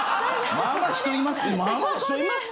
まあまあ人いまっせ。